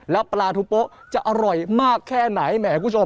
แล้วปลาทูโป๊ะจะอร่อยมากแค่ไหนแหมคุณผู้ชม